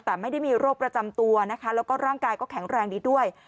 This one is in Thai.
แต่ไม่ได้มีโรคประจำตัวนะคะแล้วก็ร่างกายก็แข็งแรงดีด้วย